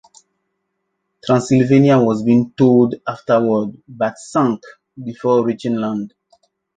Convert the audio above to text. "Transylvania" was being towed afterward but sank before reaching land.